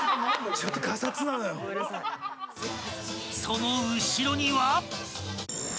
［その後ろには］